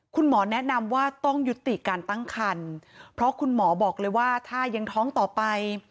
คุณหมอแนะนำว่าต้องยุติการตั้งคันเพราะคุณหมอบอกเลยว่าถ้ายังท้องต่อไป